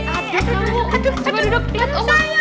aduh coba duduk